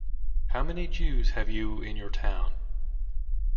'How many Jews have you in your town?